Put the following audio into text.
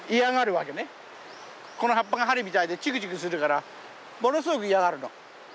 この葉っぱが針みたいでチクチクするからものすごく嫌がるの。